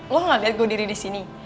lu gak liat gua diri di sini